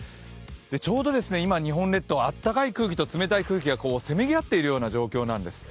ちょうど今、日本列島、暖かい空気と冷たい空気がせめぎ合っているような状況なんです。